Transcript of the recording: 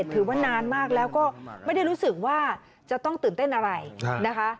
ถือว่านานมากแล้วก็ไม่ได้รู้สึกว่าจะต้องตื่นเต้นอะไรนะคะ